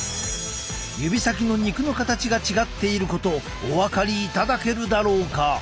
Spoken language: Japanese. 指先の肉の形が違っていることをお分かりいただけるだろうか？